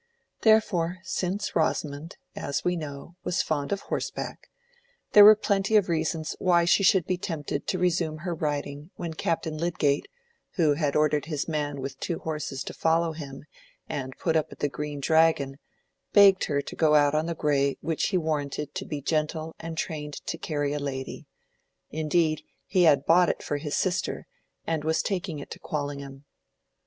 Therefore since Rosamond, as we know, was fond of horseback, there were plenty of reasons why she should be tempted to resume her riding when Captain Lydgate, who had ordered his man with two horses to follow him and put up at the "Green Dragon," begged her to go out on the gray which he warranted to be gentle and trained to carry a lady—indeed, he had bought it for his sister, and was taking it to Quallingham.